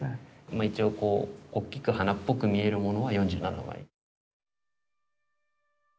まっ一応こう大きく花っぽく見えるものは４７枚。